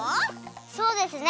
そうですね